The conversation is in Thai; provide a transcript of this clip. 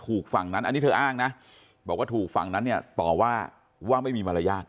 ฝั่งนั้นอันนี้เธออ้างนะบอกว่าถูกฝั่งนั้นเนี่ยต่อว่าว่าไม่มีมารยาท